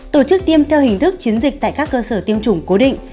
tổ chức tiêm theo hình thức chiến dịch tại các cơ sở tiêm chủng cố định